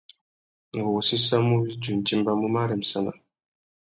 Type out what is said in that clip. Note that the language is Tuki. Ngú wô séssamú widuï ; nʼtimbamú marremsana.